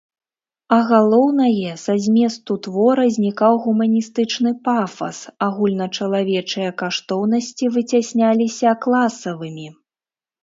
А галоўнае, са зместу твора знікаў гуманістычны пафас, агульначалавечыя каштоўнасці выцясняліся класавымі.